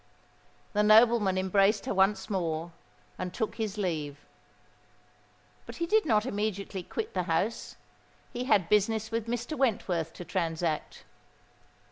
The nobleman embraced her once more, and took his leave. But he did not immediately quit the house: he had business with Mr. Wentworth to transact.